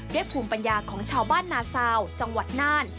ภูมิปัญญาของชาวบ้านนาซาวจังหวัดน่าน